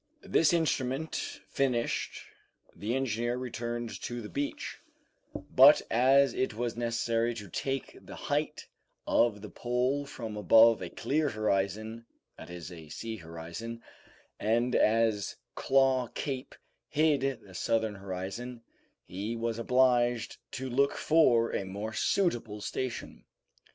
This instrument finished, the engineer returned to the beach, but as it was necessary to take the height of the pole from above a clear horizon, that is, a sea horizon, and as Claw Cape hid the southern horizon, he was obliged to look for a more suitable station.